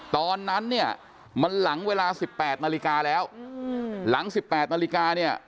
ตอนนั้นเนี้ยมันหลังเวลาสิบแปดนาฬิกาแล้วหลังสิบแปดนาฬิกาเนี้ย